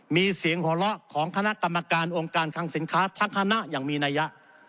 มีเสียงหัวเราะของคณะกรรมการองค์การคังสินค้าทั้งคณะอย่างมีนัยยะ